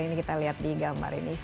ini kita lihat di gambar ini